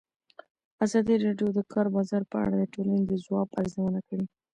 ازادي راډیو د د کار بازار په اړه د ټولنې د ځواب ارزونه کړې.